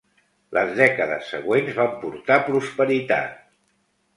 Les dècades següents van portar prosperitat.